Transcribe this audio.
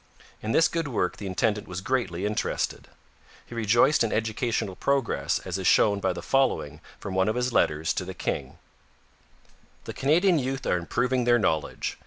In this good work the intendant was greatly interested. He rejoiced in educational progress, as is shown by the following from one of his letters to the king: The Canadian youth are improving their knowledge.